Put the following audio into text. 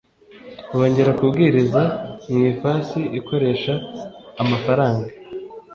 Bongera kubwiriza mu ifasi ikoresha amafaranga